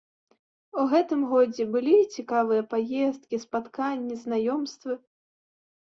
У гэтым годзе былі і цікавыя паездкі, спатканні, знаёмствы.